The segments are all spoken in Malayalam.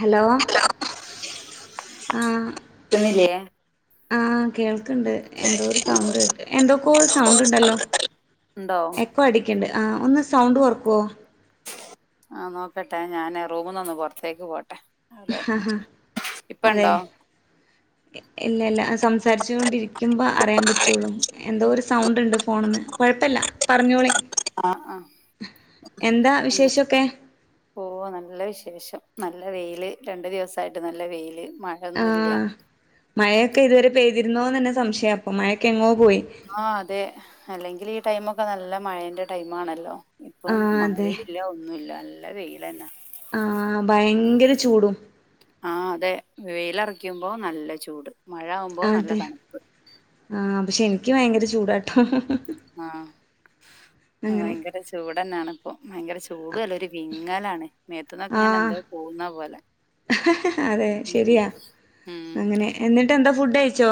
ഹലോ ആഹ് ക്കണില്ലേ? ആഹ് കേൾക്കണ്ട് എന്തോ ഒരു സൗണ്ട് കേ എന്തൊക്കോ സൗണ്ട് ഉണ്ടല്ലോ. ഉണ്ടോ എക്കോ അടിക്കണ്ട്. ആ ഒന്ന് സൗണ്ട് കുറക്കുമോ? ആഹ് നോക്കട്ടെ ഞാന് റൂമ നിന്ന് പുറത്തേക്ക് പോട്ടെ. അവിടെ ഇപ്പ അതെ ഉണ്ടോ ഇല്ലല്ല സംസാരിച്ചോണ്ടിരിക്കുമ്പൊ അറിയാൻ പറ്റുള്ളൂ എന്തോ ഒരു സൗണ്ടിണ്ട് ഫോണ്ന്ന് കുഴപ്പല്ല പറഞ്ഞോളി. അ ആഹ് എന്താ എന്ത് വിശേഷൊക്കെ പോവാ നല്ല വിശേഷം നല്ല വെയില് രണ്ടു ദിവസായിട്ട് നല്ല വെയില് മഴയൊന്നുല്ല ആന് മഴയൊക്കെ ഇത് വരെ പെയ് രുന്നോന്നെനെ സംശയ ഇപ്പൊ മഴയെക്കെങ്ങോ ആഹ് അതെ അല്ലെങ്കില് ടൈമൊക്കെ നല്ല മഴേന്റെ ടൈമാണല്ലോ ഇപ്പം ആഹ് അതെ മഴയില്ല ഒന്നുല്ല നല്ല വെയില് [inaudible] ആഹ് ഭയങ്കര ചൂടും ആഹ് അതെ വെയിലറക്കുമ്പോ നല്ല ചൂട് മഴ ആവുമ്പോ നല്ല അതെ തണുപ്പ് ആഹ് പക്ഷെ എനിക്ക് ഭയങ്കര ചൂടാട്ടോ ഹ് ഹ് ഹ് ആഹ് വയങ്കര ചൂടെന്നാണ് ഇപ്പൊ വയങ്കര ചൂടു അല്ല വിങ്ങ [unintelligible] ആഹ് ഹ ഹ ഹ അതെ ഉം ശരിയാ ഉം അങ്ങനെ എന്നിട്ട് എന്താ ഫുഡ് ക ച്ചോ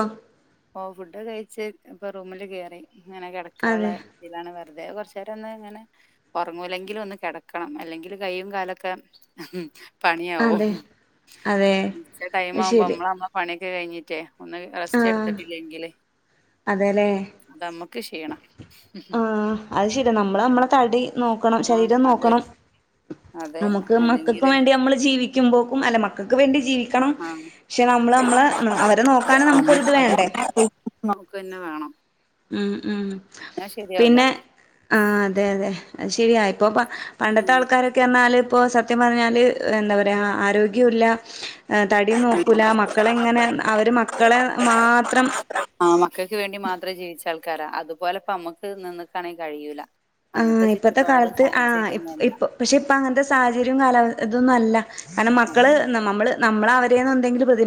ഓ ഫുഡൊകഴിച്ച് ഇപ്പൊ റൂമില് കേറി ഇങ്ങനെ കിടക്കാള്ള അതെ ഇതാണ് റുതെ കുറച്ചേരം ഒന്ന് ഇങ്ങനെ ഉറങ്ങൂലെങ്കിലു ഒന്ന് കിടക്കണം അല്ലെങ്കിൽ കൈയും കാലൊക്കെ ഹും പണിയാവും അതെ അതെ ച്ച ടൈം ആവുമ്പോ ശരി നമ്മള് നമ്മള പണിയൊക്കെ കയിഞ്ഞി [inaudible] ഒന്ന് റസ്റ്റ് എടു ഉം അതെലേ അത് നമ്മക്ക് ക്ഷീണാ ആഹ് അത് ശരിയാ നമ്മള് നമ്മളെ തടി നോ ണം ഉം ശരീരം അതെ നോക്കണം അതെ അമ്മക്ക് മക്കക്ക് അല്ലെങ്കില് വേണ്ടി നമ്മള് ജീവിക്കുമ്പോക്കും അല്ല മക്കൾക്ക് വേണ്ടി ക്കണം ആ പക്ഷെ നമ്മള് നമ്മള് അവരെ നോക്കാനും നമുക്ക് പിന്നെ ഒരിത് വേണ്ടേ നമുക്ക് തന്നെ വേണം ഉം ഉം എന്നാ ശരിയാവൂല പിന്നെ ആഹ് അതെ അതെ അതെ ആഹ് ശരിയാ ഇപ്പ പണ്ടത്തെ ഉം ആൾക്കാരൊക്കെന്നാല് ഇപ്പൊ സത്യം പറഞ്ഞാല് എന്താ പറയാ ആരോഗ്യവുല്ല തടി നോക്കൂല മക്കളെ ഇങ്ങനെ അവര് മക്കളെ മാത്രം ആമ മക്കക്ക് വേണ്ടി മാത്രം ജീവിച്ചാൾ ക്കാരാ. അതുപോലെ ഇപ്പ മ്മക്ക് നിന്നേക്കാണേൽ കഴിയൂല. അന്നത്തെ ആഹ് ഇപ്പത്തെ ചുറ്റുപാടും കാലത്ത് ആഹ് സാഹചര്യന്നും അല്ല. ഇപ്പ പക്ഷെ ഇപ്പ അങ്ങനത്തെ സാഹചര്യം കാലാവ ഇതൊന്നും അല്ല. കാരണം മക്കള് അതെ നമ്മള് നമ്മള് അവരേന്ന് എന്തെങ്കിലും പ്രതി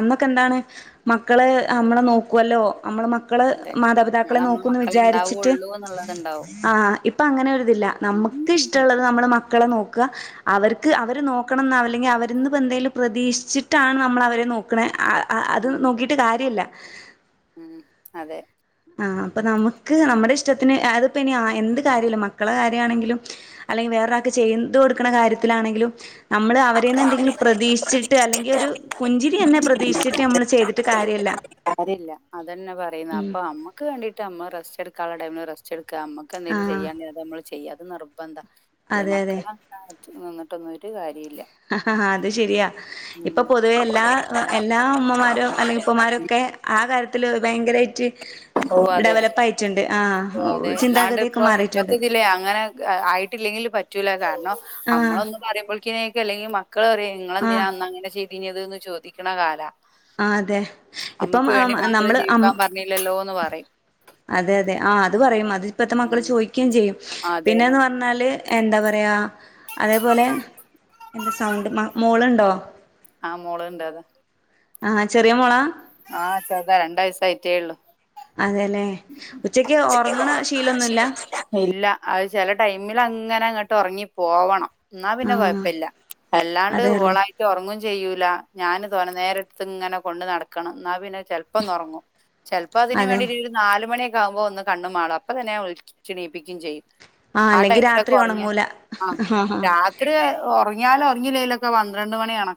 അന്നൊക്കെ എന്താണ് മക്കള് മ്മളെ നോക്കുവല്ലോ മ്മള് മക്ക് മക്കള് അതെ. നാളെ മാതാപിതാക്കളെ നമ്മളെ നോക്കൂന്ന് മക്കളെ വിചാരിച്ചിട്ട് ഇണ്ടാവുള്ളൂ എന്നുള്ളത്ണ്ടാവും. ആഹ് ഇപ്പൊ അങ്ങനെയൊരി തില്ല. ഉം നമുക്ക് ഇഷ്ടമുള്ളത് നമ്മുടെ മക്ക് മക്കളെ നോക്കുക അവർക്ക് അവര് നോക്കണം ന്നാവില്ല ഇനി അവര്ന്ന് എന്തെലും പ്രതീക്ഷിച്ചിട്ടാണ് നമ്മള് അവരെ നോക്കണേ ആ ആ അത് ഉം നോക്കിയിട്ട് കാര്യല്ല. [inaudible] ഉം അതെ ആ അപ്പൊ നമുക്ക് നമ്മുടെ ഇഷ്ടത്തിന് അതിപ്പോ ഇനി എന്ത് കാര്യമില്ല മക്കളെ കാര്യമാണെങ്കിലും അല്ലെങ്കിൽ വേറൊരാക്ക് ചെയ്തു കൊടുക്കണ കാര്യത്തിലാണെങ്കിലും നമ്മള് അവരെന്ന് എന്തെങ്കിലും പ്രതീക്ഷിച്ചിട്ട് അല്ലെങ്കിൽ ഒരു പുഞ്ചിരി തന്നെ പ്രതീക്ഷിച്ചിട്ട് നമ്മള് ചെയ്തി ട്ട് കാര്യല്ല. കാര്യല്ല അതന്നെ പറയുന്നെ. ഉം അപ്പൊ അമ്മ ക്ക് വേണ്ടിട്ട്മ്മ റസ്റ്റ്‌ എടുക്കാതെ [unintelligible] ടൈ സ്റ്റ് എടു ക്ക് നമ്മുക്ക് എന്തേലും ആഹ് ചെയ്യാെനുണ്ടേ അത് നമ്മള് ചെയ്യാ [unintelligible] പ് ന്താ ല്ലേ അതെ അതെ മക്കള് [unintelligible] [unintelligible] നിന്നിട്ടൊന്നും ഒരു കാര്യം അത് ശരിയാ. ഇപ്പൊ ഉം പൊതുവെ എല്ലാ എല്ലാ ഉമ്മമാരും അല്ലെങ്കിൽ ഉപ്പമാരൊക്കെ ആ കാര്യത്തില് ഭയങ്കരായിട്ട് അതെ. ഡെവലപ്പ് ആയിട്ടുണ്ട്. ആഹ് ഓ അതെ എല്ലാണ്ട് ചിന്താഗതിയൊക്കെ ഇപ്പ മാറിയിട്ടുണ്ട് ഇപ്പത്തെ ഇതിലേ അങ്ങനെ ആയിട്ടില്ലെങ്കില് പറ്റ് റ്റൂലാ കാരണം ആഹ് നമ്മളൊന്ന് പറയുമ്പോഴേക്കെ അല്ലെങ്കി മക് കള് പറയും ആഹ് നിങ്ങളെന്തിനാ അന്ന് അങ്ങനെ ചെയ് [unintelligible] തീന്നു ചോദിക്കണ കാലാ. ആ അതെ ഇപ്പം അമ്മക്ക് ആ വേണ്ടി മാത്രം നമ്മള് അം ജീവിക്കാൻ പറഞ്ഞില്ലല്ലോന്ന് പറയും. അതെ അതെ ആ അത് പറയും. അത് ഇപ്പഴത്തെ മക്കള് ഉം. ചോദിക്കുകയും ചെയ്യും. അതെ. പിന്നെന്ന് പറഞ്ഞാല് എന്താ പറയാ അതേപോലെ എന്താ സൗണ്ട് മോൾുണ്ടോ ആഹ് മോളണ്ട് അതാ ആ ചെറിയ മോളെ ആഹ് ചെറുത രണ്ട വ യസായിട്ടേഏു അതെല്ലേ ഉച്ചക്ക് ഉറങ്ങണ ശീലൊന്നുമില്ല ഇല്ല അത് ചില ടൈമിൽ അങ്ങനെങ്ങ് ഇട്ട് ഉറങ്ങി പോവണം എന്നാ ആ പിന്നെ കൊഴപ്പില്ല അല്ലാണ്ട് അതെല്ലേ ഓളായിട്ട് ഉറങ്ങും ചെയ്യൂല ഞാാന് തോന്ന നേരത്ത് ഇങ്ങനെ കൊണ്ട് നടക്കണം എന്നാ പിന്നെ ചെിലപ്പംുറങ്ങും ചിലപ്പോ അതിനന് അതെ വേണ്ടി നാല് മണിയൊക്കെ ആകുമ്പോ ഒന്ന് കണ് മാളും അപ്പൊ തന്നെിച്ചക്ഷണീയിപ്പിക്കയും ചെയ്യും ആ അല്ലെങ്കിൽ ടൈമിലൊക്കെ രാത്രി ഉറങ്ങി ഉണങ്ങൂല ആ രാത്രി ഉറങ്ങിയാലും കുങ്ങിലേയിലൊക്കെ പന്ത്രണ്ട് മണിയണ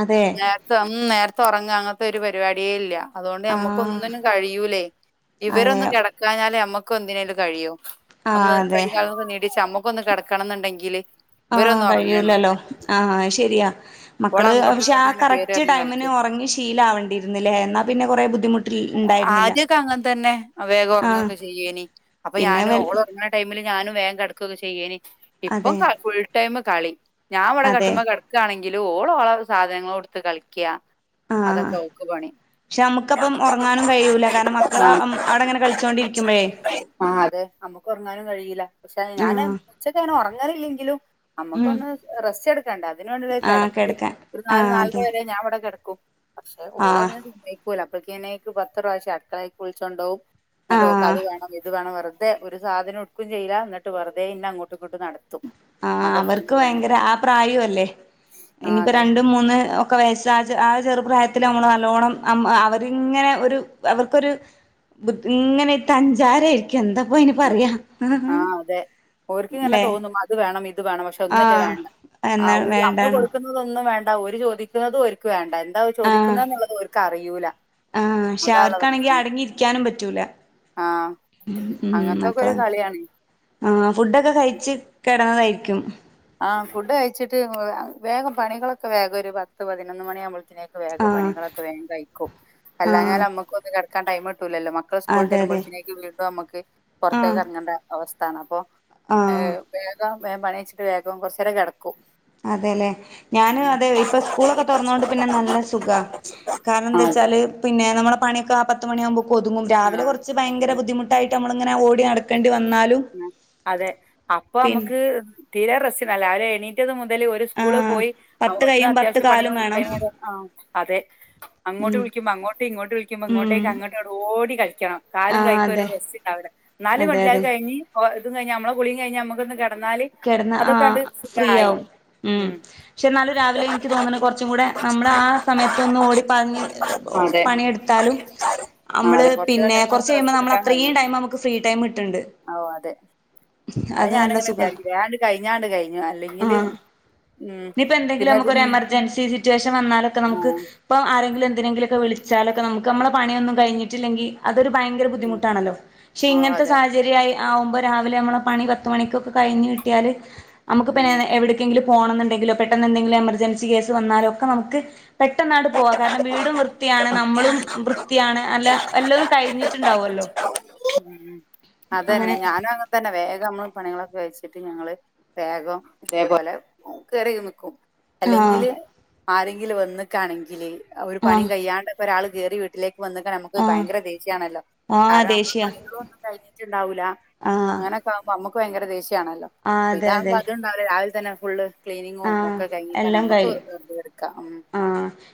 അതെ നേരത്തെ ഉ നേരത്തെ ഉറങ്ങ അങ്ങ ൊ ഒരു പരിപാടിയേ ഇല്ല അതുകൊണ്ട് ആ നമുക്കൊന്നിനും കഴിയൂ അതെ ഇവരൊന്ന് കിടക്കഞ്ഞാലേ നമ്മക്ക് ഒക്കെന്തിനോലും കഴിയോ ആ ഒന്ന് അതെ കൈകാലൊക്കന്ന് നേടിച്ച്മ്മുക്ക ഒന്ന് കിടക്കണം എന്നുണ്ടെങ്കില് ആഹ ഇവരൊന്നും ഉറങ്ങണ്ട. കഴിയൂലല്ലോ ആഹ ശെരിയാ ഓള് മക്കള് അങ്ങോട്ടും പക്ഷെ ആ ഇങ്ങോട്ടും ഇങ്ങനെ കേറി കറക്റ്റ് ഇറങ്ങി ടൈമിന് കളിക്കും. ഉറങ്ങി ശഷീലവേണ്ടിയിരുന്നില്ലേ എന്നാ പിന്നെ കൊറെേ ബുദ്ധിമുട്ടിൽ ഉണ്ടായിരുന്നില്ല ഇൊക്കെ അങ്ങനെ തന്നെ വേഗം ആഹ് ഉറങ്ങൊക്കെ ചെയുണ്ടായിരുന്നു അപ്പൊ പിന്നെ ഞാന് വൽ ഓറങ്ങ ടൈമ ഞാനും വേം കടക്കൊക്കെ ചെയ്യേന്നി ഇപ്പം അതെ ഉൾടൈമ് കളി ഞാൻ ഇവിടെ അതെ കട്ടുമ്പോ കിടക്കുകയാണെങ്കിൽ എ ഓളോഓള സാധനങ്ങ കൊടുത്ത് കളിക്ക ആഹ അതൊക്കെ ഓക്ക് പണി. പക്ഷെ നമുക്ക്പ്പം ഉറങ്ങാനും കഴിയൂല കാരണം മക്കള് ആ അവിടെ അങ്ങനെ കളിച്ചോണ്ടിരിക്കുമ്പോഴേ ആ അതെ അമ്മുക്ക് ഉറങ്ങാനും കഴിയില്ല പക്ഷെ ഞാൻ ആഹ് ഉച്ചക്ക് ഞനൻ ഉറങ്ങാനില്ലെങ്കിലും ഉം നമ്മുക്കൊന്ന് റെസ്റ്റ് എടുക്കണ്ടണ്ട് അതിനന് വേണ്ടി ആഹ് ഇടക്ക് കിടക്കാൻ ഒരു നാല് ആഹ് നാലര അതെ വരെ ഞാൻ ഇവിടെടക്ക കൊ പക്ഷെ ഓല് ആഹ് അങ്ങനെ പോല അക്ക്ക്ക് പത്ത പ്രാവശ്യ ആ മക്കളായി കുളിച്ചുണ്ടാവും എന്നട്ട് ഓക്ക അത് ആഹ് വേണോ ഇത് വേണം ഇത് അതെ ഒരു സാനം എടുക്കും ചെയ്യിാ എന്നി്െുതെ ഇന്നെ അങ്ങോ് ആഹ അവർക്ക് ഭയങ്കര ആ പ്രായ അല്ലേ ആ ഇനിപ്പോ അതെ രണ്ടും മൂന്ന് ഒക്കെ വയസ്സാ ആ ചെറുപ്രായത്തി നമ്മള് നല്ലോണം അവരിങ്ങനെ ഒരു അവർക്കൊരു ഇങ്ങനെ തഞ്ചാര എന്താപ്പ അയ്ന് പറയാല്ലേ ഇത് വേണം ഇത് വേണം പക്ഷെ ഒന്നിട്ട വേണ്ട എന്നാ നമ്മൾ വേണ്ടാണു കൊടുക്കുന്നത ഒന്നും വേണ്ട ഒരു ചോദിക്കുന്നതും ഒർക്ക് വേണ്ട എന്താ ചോദിക്കുന്നള്ള കറിയൂല ആഹ പക്ഷെ അവർക്കാണെങ്കി അടങ്ങിയിരിക്കാനും പറ്റൂല ആ മ് അങ്ങനത്തൊക്കെ ഒരു മക്കളെ കളിയാണ് ആ ഫുഡൊക്കെ കഴ [unintelligible] ക്കും ആ ഫുഡ് കഴിച്ചിട്ട് വേഗം പണികളൊക്കെ വേഗം ഒരു പത്ത് പതിനൊന്ന് മണിയാവുമ്പോ വേഗം ആഹ് പണികളൊക്കെ വേഗം കഴിക്കും അല്ലാഞ്ഞാൽ ആഹ് നമുക്കൊന്ന് ക [unintelligible] ട്ടൂലല്ലോ മക്കളൾ സ്കൂൾ അതെ ട്ടെരുമ്പോ അതെ ക്കിനേക്ക് നമുക്ക് പുറത്തേക്ക് ആഹ് ഇറങ്ങേണ്ട അവസ്ഥ ണ് അപ്പൊ ഏ ആഹ് വേഗ വേ പണി എയ്ച്ച് വേഗം കുറച്ചേരം കെട അതെല്ലെ ഞാന് അതെ ഇപ്പൊ സ്കൂളൊക്കെ തുറന്നൊണ്ട് പിന്നെ നല്ല സുഖാ ഉം കാരണം എന്താ അതെ. വച്ചാല് പിന്നെ നമ്മുടെ പണിയൊക്കെ ആപ്പ പത്ത് മണി ആകുമ്പോ ഒതുങ്ങും രാവിലെ ആഹ്. കുറച്ച് ഭയങ്കര ഒതുങ്ങും. ബുദ്ധിമുട്ടായിട്ട് നമ്മളിങ്ങനെ ഓ [unintelligible] അതെ അപ്പൊ പിന്നെ അമ്മക്ക് തീരെ റസ [unintelligible] ല്ല അവരെ എണീ [unintelligible] ന്തേലും ഒരു ആ സ്കൂള് പോയി അവ പത്ത് ഒന്ന് കൈയും പത്ത് അത്യാവശ്യം പണ കാലും വേണം [unintelligible] അതെ അങ്ങോട്ട് ഉം വിളിക്കുമ്പോ അങ്ങോട്ടും ഇങ്ങോട്ട് വിളിക്കുമ്പോ ഉം ഇങ്ങോട്ടേക്ക് അങ്ങോട്ട ഓടി കളിക്കണം ആ കാലും കഴിക്ക ഒരു അതെ റസിണ്ടാവൂല്ല നാലും മ അതെ അതെ ഓ ഇത് കഴിഞ്ഞ് നമ്മളെ കുളിം കഴിഞ്ഞ നമുക്കൊന്ന് ക കിടന്ന ആ ഫ്രീ ആവും ഉം പക്ഷെ എന്നാലും രാവിലെ എനിക്ക് തോന്നണ കുറച്ചും കൂടെ നമ്മൾ ആ സമയത്തൊന്ന് ഓടി പറഞ്ഞ് അതെ. പണിയെടുത്താലും ആഹ് നമ്മള് അതെ. കൊറച്ച് പിന്നെ ടൈം കുറച്ച നമുക്ക് കഴിയുമ്പോ റെസ്റ്റ് നമ്മൾ എടുക്കാൻ അത്രയും കഴിയും. ടൈം നമുക്ക് ഫ്രീ ടൈം ഇട്ടുണ്ട് ഓഹ് അതെ. അത് നല്ല ഞാനിങ്ങനെ സുഖ വിചാരിക്കും. വേഗാണ്ട് കഴിഞ്ഞാണ്ട് കഴിഞ്ഞു. ആ അല്ലെങ്കില് ഉം ഇനിയിപ്പ എന്തെങ്കിലും പിന്നത് നമുക്കൊരു എമർജൻസി സിറ്റുവേഷൻ വന്നാലൊക്കെ ഉം നമുക്ക് ഇപ്പ ആരെങ്കിലും എന്തിനെങ്കിലൊക്കെ വിളിച്ചാലൊക്കെ നമുക്ക് നമ്മെ പണിയന്നും കഴിഞ്ഞിട്ടില്ലെങ്കി അത ഒരു ഭയങ്കര ഉം ബുദ്ധിമുട്ടാണല്ലോ പക്ഷെ ഓ ഇങ്ങനത്തെ അതെ സാഹചര്യമായി ആവുമ്പോ രാവിലെ നമ്മളെ പത്ത് മണിക്കൊക്കെ കഴിഞ്ഞിട്ട് ട്ട്യാല് അമ്മക്ക് പ്പം ഉം എവിടെക്കെങ്കിലും പോണം എന്നുണ്ടെങ്കിലോ പെട്ടെന്ന് എന്തെങ്കിലും എമർജൻസി കേസ് വന്നാലോ ഒക്കെ നമുക്ക് പെട്ടെന്നാ- പോ കാരണം വീടും വൃത്തിയാണ് നമ്മളും വൃത്തിയാണ് അല്ല എല്ലതും കഴിഞ്ഞിട്ട് ണ്ടാവല്ലോ ഉം അതന്നെ ഞാനും അങ്ങെ തന്നെ വേഗം പണികളെക്കെ വെച്ചിട്ട് ഞങ്ങള് വേഗം ഇതേപോലെ കയറി നക്കും ആഹ് അല്ലെങ്കില് ആരെങ്കിലും വന്നിക്കാണെങ്കില് ഒരു പണിയും ആഹ് കഴ്യാണ്ട്ക്കെ ഒരാൾ കയറി വീട്ടിലേക വന്നക്ക നമുക്ക് ആഹ് ഭയങ്കര ദേഷ്യാണല്ലോ ആഹ് കാരണം നമ്മള് ദേഷ്യ പണികളുംഒന്ന് കഴഞ്ഞ ണ്ടാവൂല്ല ആഹ് അങ്ങനെയൊക്കൊവുമ്പോ നമ്മക ഭയങ്കര ദേഷ്യ ആണല്ലോ ആഹ് ഇതാവുമ്പോ അത്ണ്ടാവല്ലേ രാ തന്നെ ഫുള്ള് ആ ക്ലീനിങ്ങും ഒക്കെ കഴിഞ്ഞിട്ടാണ് എല്ലാം നമ്മുക്ക് കഴിയും വെറുതെ എടുക്കാം ഉം ആ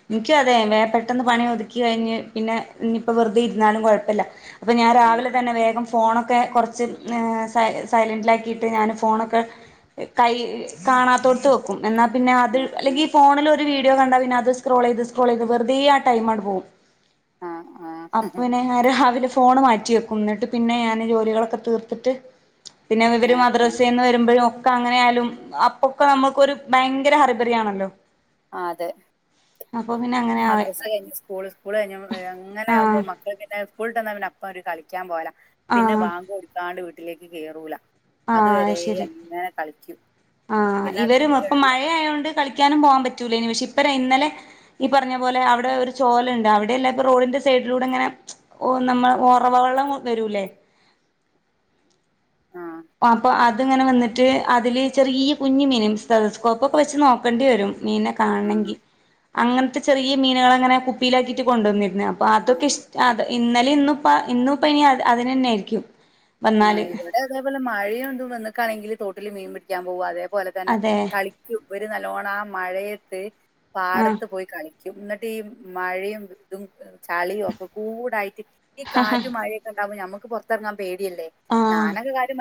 എനിക്ക അതെ വേ പെട്ടെന്ന് പണിതു കഴിഞ്ഞ് പിന്നെ ഇപ്പ വെറുതെ ഇരുന്നാലും കുഴപ്പല്ല അപ്പ ഞാൻ ഉം രാവിലെ തന്ന വേഗം ഫോണൊക്കെ കൊറച്ച് സൈ സൈലന്റിലക്കിട്ട് ഞാന് ഫോണെക്ക് കൈ കാണത്തോ - ത് വോക്കും എന്നാൽ പിന്നെ അത് ഉം ഉം അല്ലെങ്കിൽ ഈ ഫോണിൽ ഒരു വീട് വീഡോ കണ്ടാ പിന്ന അത് സ്ക്രോൾ ചെയ്ത് സ്രോക്രോൾ ചെയ്ത് വെറതെ ആ ടൈം ആട്ട് പോവും ആഹ് ആഹ് അപ്പന്നെ രാവിലെ ഫോണ് മാറ്റി വെക്കും എന്നിട്ട് പിന്നെ ഞാന് ജോലികളൊക്കെ തീർത്തിട്ട് പിന്നെ ഞാ ഇവര് മദ്രസന്ന് വരുമ്പോഴും അങ്ങനെയാലും അപ്പൊ ഇപ്പൊ നമുക്കൊരു ഭയങ്കര ഹറിബറിയ ആണല്ലോ ആ അതെ അങ്ങനെ ആവെ മദ്രസ് കഴിഞ്ഞു സ്കൂള് സ്കൂള് കഴിഞ്ഞു എങ്ങനെ ആകുമ്പോ ആഹ് മക്കൾ പിന്നെ സ്കൂൾ വിട്ട് വാന്നാ പിന്ന അപ്പൊ ഒരു കളിക്കാൻ പോല പിന്നെ ആഹ് ബാങ്കോട്ത്താണ്ട് വീട്ടിലേക്ക് കേറൂല ആ അ അതുവരെ ശരി അങ്ങനെ കളിക്കും ആഹ പിന്നെ അതൊരു ഇവരും ഇപ്പ പേടിള്ള മഴയോണ്ട് കളിക്കാനും പോവാൻ പറ്റൂല ഇനി പക്ഷേ ഇന്നലെ ഈ പറഞ്ഞ പോലെ അവിടെ ഒരു ചോലയുണ്ട് അവിടെ എല്ലാ ഇപ്പ റോഡിന്റെ സൈഡിലൂടെ ഇങ്ങനെ നമ്മൾ ഒറവവെള്ളം വരൂല്ലേ? ആഹ് അത്ങ്ങനെ നിന്നിട്ട് അതില് ചെറിയ കുഞ്ഞ് മീന്. സെതസ്കോപ്പ്ഒക്കെ വെച്ച് നോക്കേണ്ടി വരും മീനെ കാണങ്കി ആഹ് അങ്ങനത്തെ ചെറിയ മീനുകളങ്ങനെ കുപ്പിയിലാക്കിട്ട് കൊണ്ടുവന്നി അപ്പൊ അതൊക്കെ ഇഷ അ ആഹ് ഇന്നലയും, ഇന്നും ഇന്നും ഇപ്പംഇനി അതിനുതന്നെയാരിക്കും. ആ ഇവിടെ അതേപോലെ മഴയൊന്നും വന്നക്കാണെങ്കില് തോട്ടിൽ മീൻ പിടിക്കാൻ പോവാതെ പോലെ തന്നെ അതെ കളിക്കും. ഒരു നല്ലോണം ആ മഴ തെ ആഹ് പാടത്ത് പോയി കളി എന്നിട്ട് ഈ മഴയും ഇതും ചളിയും ഒക്കെ കൂടായിട്ട് ഈ കാറ്റു മഴയൊക്കെ ഉണ്ടാവുമ്പോ നമ്മക്ക് ക്ക് പുറത്തിറങ്ങാൻ പേ ആഹ് ഞാനൊക്കെ കാര്യ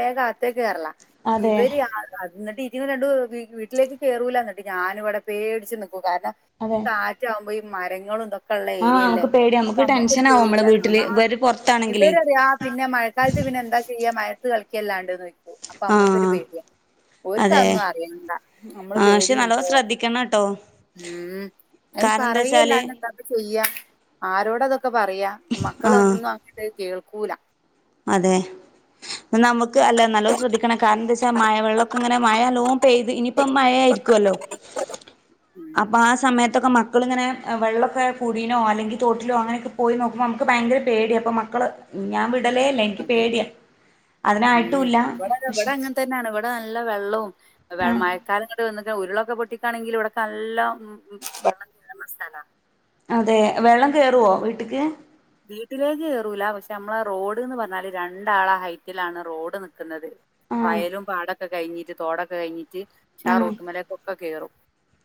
വേഗം അകത്തേക്ക് കേറലാ അതെ ഇവര് [unintelligible] എന്നിട്ട് ഇതുരണ്ടും വീട്ടിലേക്ക് കേറൂല്ലഎന്നിട്ട് ഞാനിവിടെ പേടിച്ച്നി കാരണം ഈ കാറ്റാവുമ്പോ മരങ്ങളും ഇതോ ആ നമുക്ക് പേടി നമുക്ക് ടെൻഷൻ ആവും നമ്മടെ പേടിയാണ് ആ വീട്ടില്. ഇവര് പൊറത്താണെങ്കിലേ? ക്കാലത്ത് പിന്നെ എന്താ ചെയ്യ മയത്ത് കളിക്കിയല്ലാണ്ട് ചോ അപ്പൊ നമ്മുക്കൊരു ആഹ് പേടിയ ഓര്ക്ക് അതെ അതൊന്നും അറിയണ്ട നമ്മള് ആഹ് പക്ഷെ നല്ലോ പേടിയുണ്ടോ ശ്രദ്ധിക്കണംട്ടോ അതിന് കാരണം എന്താ പറയല്ല വെച്ചാല് എന്താപ്പ ചെയ്യാ ആരോടതൊക്കെ ക്കെ പറയാ ആഹ് മക്കളൊന്നും അങ്ങട്ട് കേൾക്കൂല അതെ നമുക്ക് അല്ല നല്ലോ ശ്രദ്ധിക്കണം കാരണം എന്താ വെച്ചാ മഴ വെള്ളക്കെ ഇങ്ങനെ മഴ അല്ലോം പെയ്ത് ഇനിയിപ്പ മഴ ആയിരിക്കുവല്ലോ? ഉം അപ്പൊ ആ സമയത്തൊക്കെ മക്കളിങ്ങനെ വെള്ളമൊക്കെ കുടീനൊ അല്ലെങ്കി തോട്ടിലോ അങ്ങനൊക്കെ പോയി നോക്കുമ്പോ നമുക്ക് ഭയങ്കര പേടി അപ്പൊ മക്കള് ഞാൻ [unintelligible] പേടിയാ അതിനായിട്ടുല്ല ഇവിടെ പക്ഷെ ഇവിടെ അങ്ങനെ തന്നെയാണ് ഇവിടെ നല്ല വെള്ളവും ആ മഴക്കാലം ഇങ്ങട്ട് വന്ന ക്കെ ഉരുളൊക്കെ പൊട്ടിക്കാണെങ്കിൽ ഇവിടെക്കെ നല്ലോം [unintelligible] അതെ വെള്ളം കേയറുവോ വീട്ടക്ക്? ക്ഷെ നമ്മളെ റോഡ് ന്ന് പറഞ്ഞാല് രണ്ടാള ഹൈറ്റിലാണ് റോഡ് നിക്കുന്നത്. ആ വയലും പാട കഴിഞ്ഞിട്ട് തോടെക്കെ കഴഞ്ഞി ഷാ ആ റൂട്ട് മേലക്ക കേറും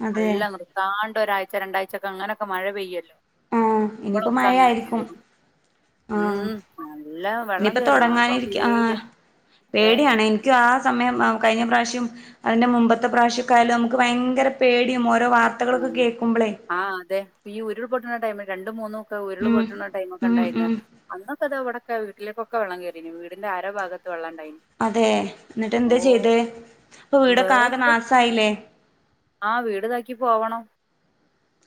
അതെ നല്ല നൃത്താ ഒരായ്ച രണ്ടാ്ചൊക്കെങ്ങനൊക്കെ മഴ പെയ്യല്ലോ ആ ഇനിയിപ്പോൾ അപ്പോഴൊക്കെ അങ്ങനെ മഴയായിരിക്കും കേറും ആ ഉം നല്ല വെള്ളം ഇനിയിപ്പോം കേറും അപ്പൊ തുടങ്ങാനിരിക്കും ആ പേടിയാ അതെ പേടിയാണ് എനിക്ക് ആ സമയം കഴിഞ്ഞ പ്രാവശ്യം അതിന്റെ മുൻ പത്തെ പ്രാവശ്യംക്കൊയാലും നമു ഭയങ്കര പേടിയ ഉ ആ് അതെ ഈ ഉരുൾപൊട്ടണ ടൈമ രണ്ട മൂന്നും ഉരുൾ ഉം പൊട്ടണ ടൈമ ഒക്കെ ഉം ഉണ്ടായില്ല ഉം അന്ന് അത അവിടക്ക വീലേക്കെ വെള്ളം കറീ വീടിന്റെ ആരഭാഗത്ത് വെം അതെ എന്നിട്ട് എന്താ ചെയ്ത് ഇപ്പൊ വീടൊക്കെ ആകെ നാശായില്ലേ ആഹ വീട് താക്കി പോവണം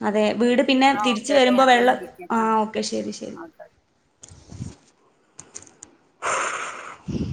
അതെ വീട് പിന്നെ ആ ഓക്കെ തിരിച്ച് കേട്ടോ വരുമ്പോ ഞാൻ പിന്നെ വെള്ളം വിളിക്കാം ആ കേട്ടോ ഓക്കെ ശരി ശരി ഓക്കെ [inaudible]